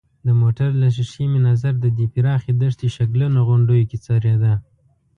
د موټر له ښېښې مې نظر د دې پراخې دښتې شګلنو غونډیو کې څرېده.